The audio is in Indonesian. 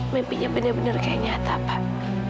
mimpinya benar benar kayak nyata pak